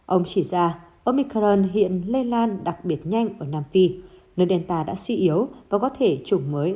ông chỉ ra omicorn hiện lây lan đặc biệt nhanh ở nam phi nơi delta đã suy yếu và có thể chủng mới